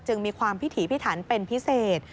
มีความพิถีพิถันเป็นพิเศษ